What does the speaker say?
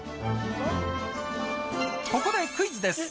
ここでクイズです。